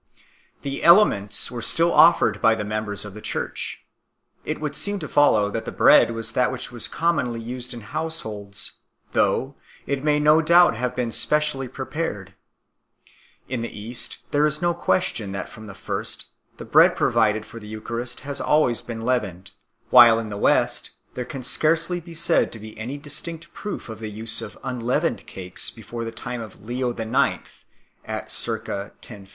The Elements were still offered by the members of the Church. It would seem to follow that the bread was that which was commonly used in households, though it may no doubt have been specially prepared. In the East there is no question that from the first the bread provided for the Eucharist has always been leavened, while in the West there can scarcely be said to be any distinct proof of the use of unleavened cakes before the time of Leo IX. (c. 1050) 1 .